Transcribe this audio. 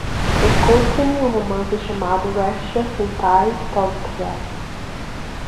Encontre-me o romance chamado Ressha Sentai ToQger